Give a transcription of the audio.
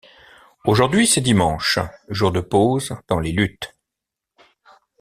Aujourd'hui c'est dimanche, jour de pause dans les luttes.